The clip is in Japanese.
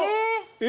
え。